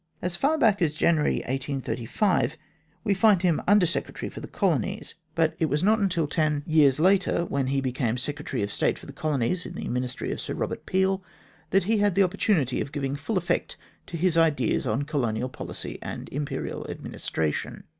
As far back as January 1835 we find him Under Secretary for the Colonies, but it was not until ten A x 2 * INTRODUCTION years later, when he became Secretary of State for the Colonies in the Ministry of Sir Kobert Peel, that he had the opportunity of giving full effect to his ideas on Colonial policy and Imperial administration.